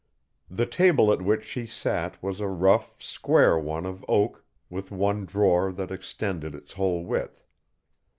The table at which she sat was a rough, square one of oak, with one drawer that extended its whole width.